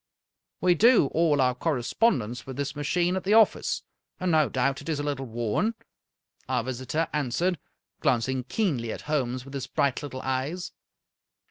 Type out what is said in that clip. " We do all our correspondence with this machine at the office, and no doubt it is a little worn," our visitor an swered, glancing keenly at Holmes with his bright little eyes.